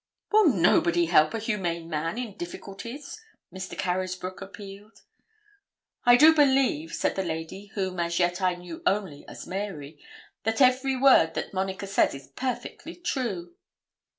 'Will nobody help a humane man in difficulties?' Mr. Carysbroke appealed. 'I do believe,' said the lady whom as yet I knew only as Mary, 'that every word that Monica says is perfectly true.'